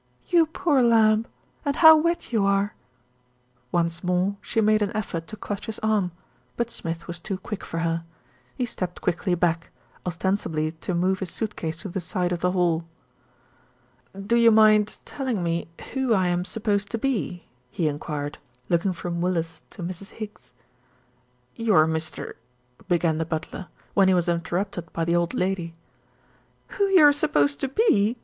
"You poor lamb, and how wet you are." Once more she made an effort to clutch his arm; but Smith was too quick for her. He stepped quickly back, ostensibly to move his suit case to theside.of the hall. "Do you mind telling me who I am supposed to be?" he enquired, looking from Willis to Mrs. Higgs. "You're Mr. " began the butler, when he was interrupted by the old lady. "Who you are supposed to be !"